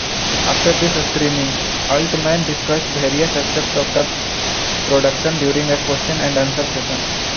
After this screening, Altman discussed various aspects of the production during a question-and-answer session.